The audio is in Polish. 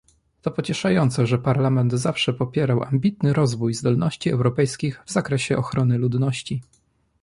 To pocieszające, że Parlament zawsze popierał ambitny rozwój zdolności europejskich w zakresie ochrony ludności